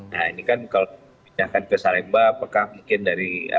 nah ini kan kalau pindahkan ke salemba apakah mungkin dari